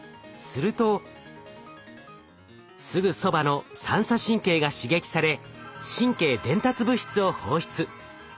するとすぐそばの三叉神経が刺激され神経伝達物質を放出。